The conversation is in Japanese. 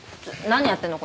何やってんの？